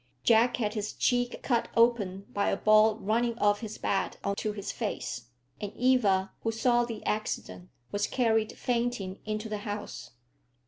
Jack had his cheek cut open by a ball running off his bat on to his face; and Eva, who saw the accident, was carried fainting into the house.